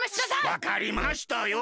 わかりましたよ。